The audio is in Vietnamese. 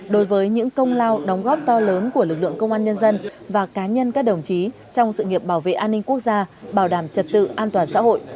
đối với những công lao đóng góp to lớn của lực lượng công an nhân dân và cá nhân các đồng chí trong sự nghiệp bảo vệ an ninh quốc gia bảo đảm trật tự an toàn xã hội